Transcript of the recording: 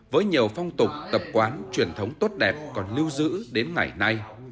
với nhiều phong tục tập quán truyền thống tốt đẹp còn lưu giữ đến ngày nay